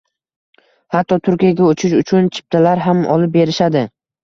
Hatto, Turkiyaga uchish uchun chiptalar ham olib berishadi